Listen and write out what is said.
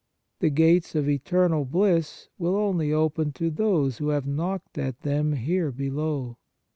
The gates of eternal bliss will only open to those who have knocked at them here below.